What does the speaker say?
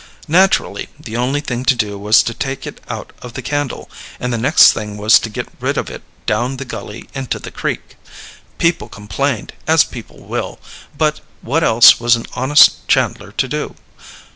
Naturally, the only thing to do was to take it out of the candle, and the next thing was to get rid of it down the gulley into the creek. People complained, as people will; but what else was an honest chandler to do?